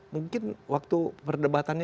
mungkin waktu perdebatannya